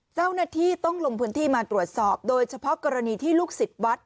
เจ้าหน้าที่ต้องลงพื้นที่มาตรวจสอบโดยเฉพาะกรณีที่ลูกศิษย์วัด